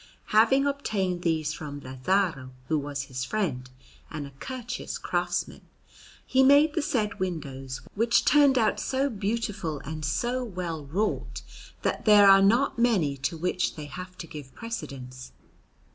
Having obtained these from Lazzaro, who was his friend and a courteous craftsman, he made the said windows, which turned out so beautiful and so well wrought that there are not many to which they have to give precedence.